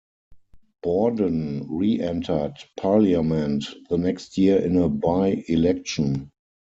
Borden re-entered parliament the next year in a by-election.